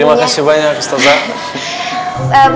terima kasih banyak ustazah